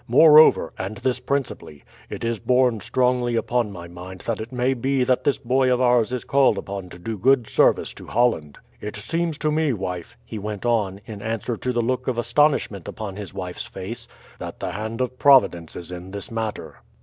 Moreover, and this principally, it is borne strongly upon my mind that it may be that this boy of ours is called upon to do good service to Holland. It seems to me wife," he went on, in answer to the look of astonishment upon his wife's face, "that the hand of Providence is in this matter.